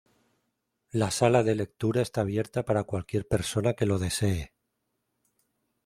La sala de lectura está abierta para cualquier persona que lo desee.